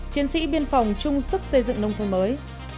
chiến sĩ biên phòng trung sức xây dựng nông thuận mới